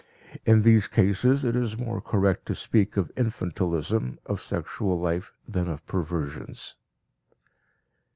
In these cases it is more correct to speak of infantilism of sexual life than of perversions.